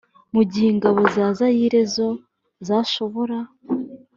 mu gihe ingabo za zayire zo zashobora